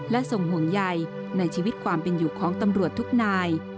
และทรงห่วงใยในชีวิตความเป็นอยู่ของตำรวจทุกนาย